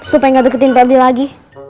supaya gak deketin party lagi